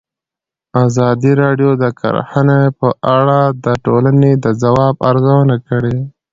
ازادي راډیو د کرهنه په اړه د ټولنې د ځواب ارزونه کړې.